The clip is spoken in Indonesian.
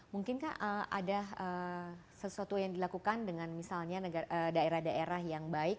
mungkinkah ada sesuatu yang dilakukan dengan misalnya daerah daerah yang baik